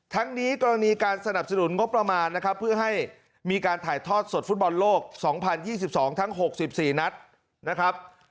ทั้งนี้กรณีการสนับสนุนงบประมาณนะครับเพื่อให้มีการถ่ายทอดสดฟุตบอลโลก๒๐๒๒ทั้ง๖๔นัดนะครับ